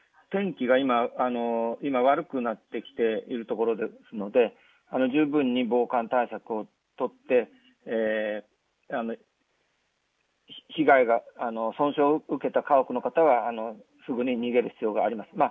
天気が今、悪くなってきているところですので十分に防寒対策をとって損傷を受けた家屋の方はすぐに逃げる必要があります。